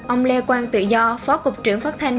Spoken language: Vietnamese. ông lê quang tự do phó cục trưởng phát thanh